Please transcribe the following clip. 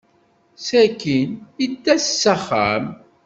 Sakkin, yedda s axxam.